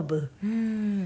うん。